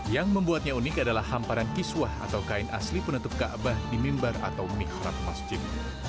yang membuatnya unik adalah hamparan kiswah atau kain asli penutup ⁇ aabah di mimbar atau mikhrat masjid